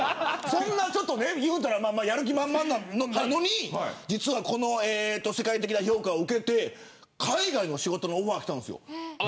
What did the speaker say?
そんなやる気満々なのに世界的な評価を受けて海外の仕事のオファーがきたんです。